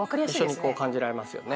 一緒にこう感じられますよね。